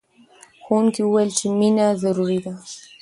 ښوونکي وویل چې مینه ضروري ده.